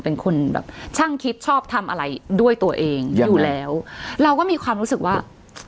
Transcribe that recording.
เป็นคนแบบช่างคิดชอบทำอะไรด้วยตัวเองอยู่แล้วเราก็มีความรู้สึกว่า